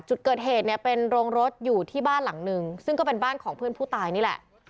จุดเกิดเหตุเนี่ยเป็นโรงรถอยู่ที่บ้านหลังนึงซึ่งก็เป็นบ้านของเพื่อนผู้ตายนี่แหละ